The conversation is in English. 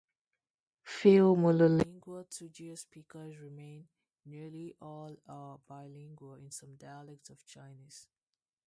Few monolingual Tujia speakers remain; nearly all are bilingual in some dialect of Chinese.